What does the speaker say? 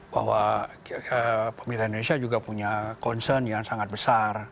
bahwa pemerintah indonesia juga punya concern yang sangat besar